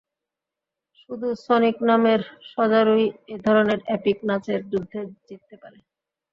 শুধু সনিক নামের সজারুই এই ধরণের এপিক নাচের যুদ্ধে জিততে পারে।